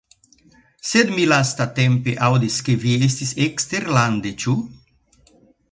Sed mi lastatempe aŭdis ke vi estis eksterlande, ĉu?